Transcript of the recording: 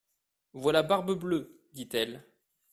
Voilà Barbe-Bleue, dit-elle.